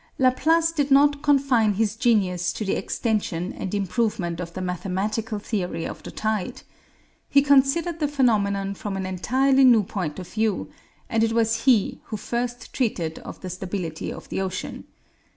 Laplace did not confine his genius to the extension and improvement of the mathematical theory of the tide. He considered the phenomenon from an entirely new point of view, and it was he who first treated of the stability of the ocean.